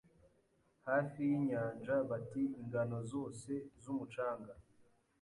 Hafi yinyanja Bati Ingano zose zumucanga